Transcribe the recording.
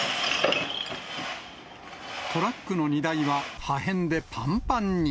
トラックの荷台は破片でぱんぱんに。